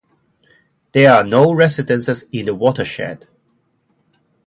There are no residences in the watershed.